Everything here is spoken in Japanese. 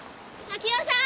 明代さん？